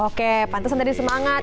oke pantesan dari semangat